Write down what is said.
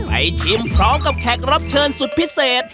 ชิมพร้อมกับแขกรับเชิญสุดพิเศษ